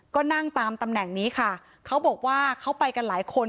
ก็นั่งตามตำแหน่งนี้ค่ะเขาบอกว่าเขาไปกันหลายคน